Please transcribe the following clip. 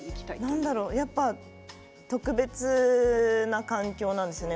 なんか特別な環境なんですよね。